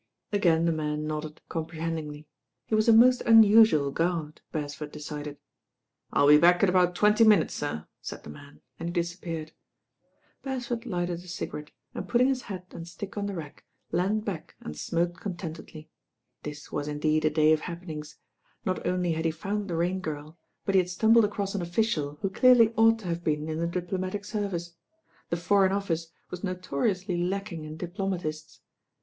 Again the man aodded comprehendingly. He was a most unusual guard, Bcresford decided. "I'll be back in about twenty minutes, sir," said the man, and he disappeared. Beresford lighted a cigarette and, putting his hat and stick on the rack, leaned back and smoked con tentedly. This was indeed a day of happenings. Not only had he found the Rain Girl; but he had stumbled across an official who clearly ought to have been in the diplomatic service. . The Foreign Office was notoriously lacking in diplomatists.